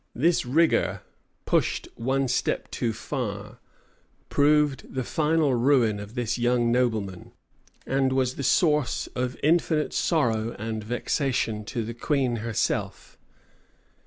This rigor, pushed one step too far, proved the final ruin of this young nobleman, and was the source of infinite sorrow and vexation to the queen herself.